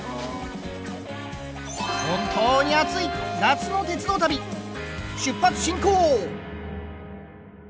本当に熱い夏の鉄道旅出発進行！